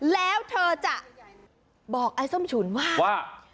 แล้วเธอจะบอกไอ้ส้มฉุนว่าว่า